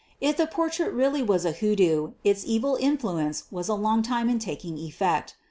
If the portrait really was a " hoodoo' ' its evil influence was a long time in taking effect.